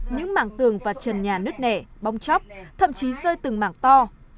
những mảng tường và trần nhà nứt nẻ bong chóc thậm chí rơi từng mảng to